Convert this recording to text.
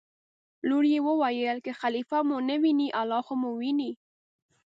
لور یې وویل: که خلیفه مو نه ویني الله خو مو ویني.